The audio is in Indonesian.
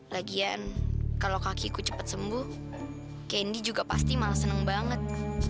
lagian kalau kaki ku cepet sembuh candy juga pasti malah seneng banget